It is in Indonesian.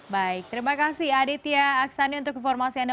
baik terima kasih aditya aksani untuk informasi anda